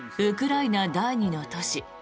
ウクライナ第２の都市